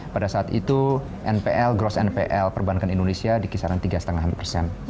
pada saat itu npl gross npl perbankan indonesia di kisaran tiga lima persen